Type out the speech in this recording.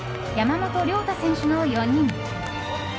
山本涼太選手の４人。